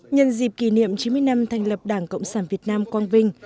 nhân dịp kỷ niệm chín mươi năm thành lập đảng cộng sản việt nam quang vinh